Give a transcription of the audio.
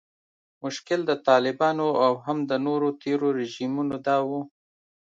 مشکل د طالبانو او هم د نورو تیرو رژیمونو دا و